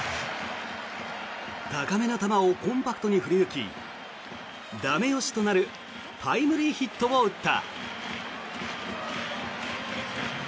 高めの球をコンパクトに振り抜き駄目押しとなるタイムリーヒットを打った。